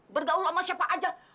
bergaul sama siapa aja